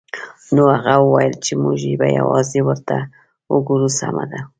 نو هغه وویل چې موږ به یوازې ورته وګورو سمه ده